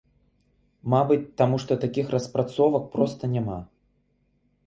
Мабыць, таму што такіх распрацовак проста няма.